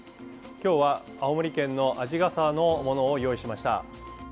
今日は青森県の鰺ヶ沢のものを用意しました。